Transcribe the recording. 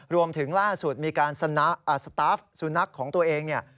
รวมถึงล่าสุดมีการสตาฟสุนัขของตัวเองเนี่ย